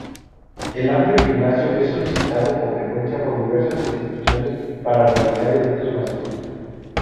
El amplio gimnasio es solicitado con frecuencia por diversas instituciones para realizar eventos masivos.